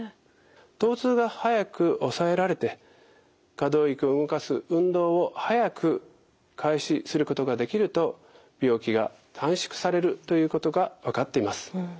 とう痛が早く抑えられて可動域を動かす運動を早く開始することができると病気が短縮されるということが分かっています。